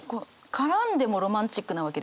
絡んでもロマンチックなわけですよ。